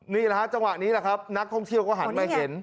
นี่คือจังหวะนี้นะครับนักโฌงเที่ยวก็หันไข้ใกล้มาเห็น